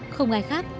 không ai khác